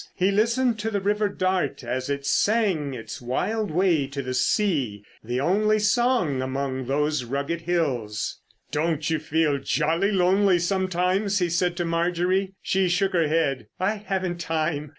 He listened to the river Dart as it sang its wild way to the sea, the only song among those rugged hills. "Don't you feel jolly lonely sometimes?" he said to Marjorie. She shook her head. "I haven't time.